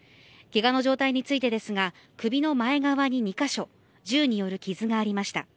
けがの状態についてですが首の前側に２カ所銃による傷がありました。